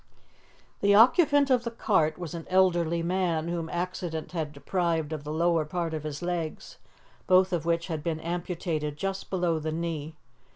The occupant of the cart was an elderly man, whom accident had deprived of the lower part of his legs, both of which had been amputated just below the knee.